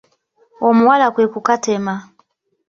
Omuwala kwe kukatema